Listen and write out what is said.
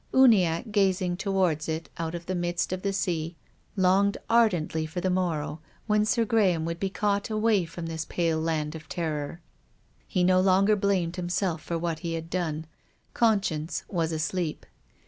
Uniacke, gazing towards it out of the midst of the sea, longed ardently for the morrow when Sir Graham would be caught away from this pale land of terror. He no longer blamed himself for what he had done. Conscience was asleep.